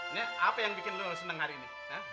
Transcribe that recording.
ini apa yang bikin lo seneng hari ini